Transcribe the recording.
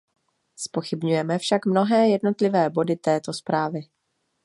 Zpochybňujeme však mnohé jednotlivé body této zprávy.